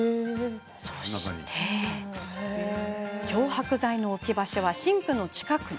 そして漂白剤の置き場所はシンクの近くに。